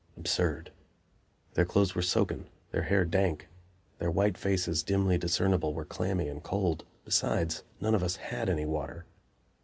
Absurd! Their clothes were soaken, their hair dank; their white faces, dimly discernible, were clammy and cold. Besides, none of us had any water.